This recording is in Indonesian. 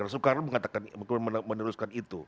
soekarno meneruskan itu